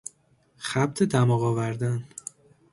خبط دماغ آوردن